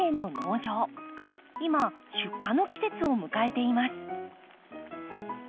今出荷の季節を迎えています。